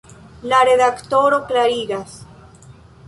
La redaktoro klarigas.